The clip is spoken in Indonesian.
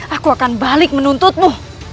aku akan balik menuntutmu